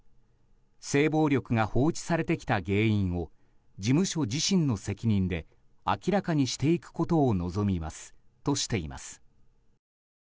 性暴力が放置されてきた原因を事務所自身の責任で明らかにしていくことを望みますとしています。